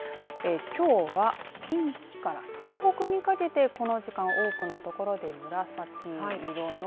きょうは、近畿から東北にかけてこの時間を多くの所で紫色。